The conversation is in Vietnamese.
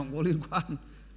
cũng có liên quan